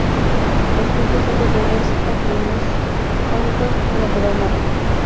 Los frutos son pequeños aquenios cónicos de color marrón.